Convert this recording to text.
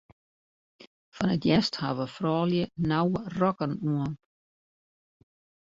Fan 't hjerst hawwe froulju nauwe rokken oan.